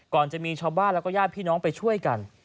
จะมีชาวบ้านแล้วก็ญาติพี่น้องไปช่วยกัน